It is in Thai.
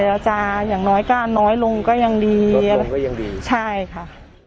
อาจารย์อย่างน้อยก็น้อยลงก็ยังดีใช่ค่ะ